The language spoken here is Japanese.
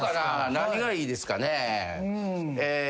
何がいいですかねぇ。